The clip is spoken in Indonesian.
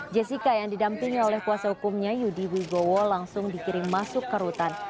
jessica yang didampingi oleh kuasa hukumnya yudi wibowo langsung dikirim masuk ke rutan